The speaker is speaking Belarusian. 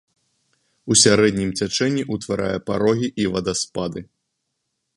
У сярэднім цячэнні ўтварае парогі і вадаспады.